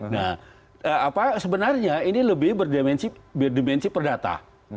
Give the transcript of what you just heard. nah sebenarnya ini lebih berdimensi perdata